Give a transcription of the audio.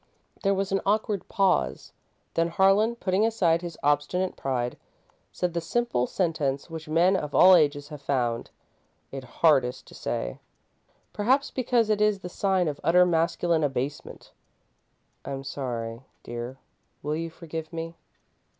There was an awkward pause, then Harlan, putting aside his obstinate pride, said the simple sentence which men of all ages have found it hardest to say perhaps because it is the sign of utter masculine abasement. "I'm sorry, dear, will you forgive me?"